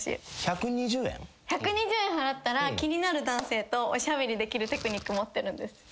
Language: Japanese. １２０円払ったら気になる男性とおしゃべりできるテクニック持ってるんです。